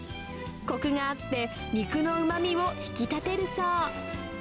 こくがあって、肉のうまみを引き立てるそう。